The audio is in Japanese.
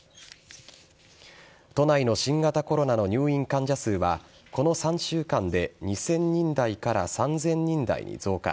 都内の新型コロナの入院患者数はこの３週間で２０００人台から３０００人台に増加。